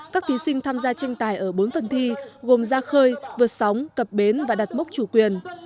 các thí sinh tham gia tranh tài ở bốn phần thi gồm ra khơi vượt sóng cập bến và đặt mốc chủ quyền